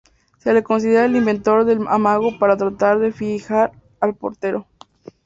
Se le considera el inventor del amago para tratar de fijar al portero.